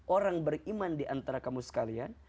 orang beriman di antara kamu sekalian